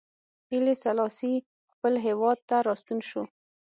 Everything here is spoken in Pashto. هیلي سلاسي خپل هېواد ته راستون شو.